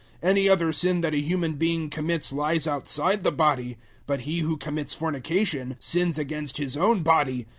Any other sin that a human being commits lies outside the body; but he who commits fornication sins against his own body.